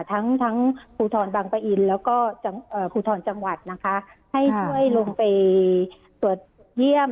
ทั้งทั้งภูทรบังปะอินแล้วก็ภูทรจังหวัดนะคะให้ช่วยลงไปตรวจเยี่ยม